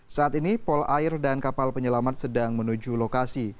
saat ini polair dan kapal penyelamat sedang menuju lokasi